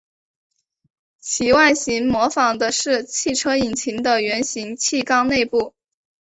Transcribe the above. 其外形模仿的是汽车引擎的圆形汽缸内部。